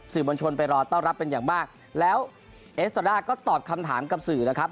บัญชนไปรอต้อนรับเป็นอย่างมากแล้วเอสซาด้าก็ตอบคำถามกับสื่อนะครับ